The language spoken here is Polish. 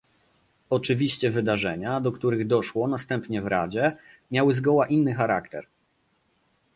Oczywiście wydarzenia, do których doszło następnie w Radzie, miały zgoła inny charakter